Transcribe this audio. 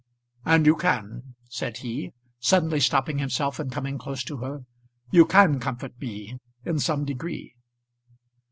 "And you can," said he, suddenly stopping himself and coming close to her. "You can comfort me, in some degree.